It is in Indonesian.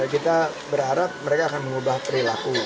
kita berharap mereka akan mengubah perilaku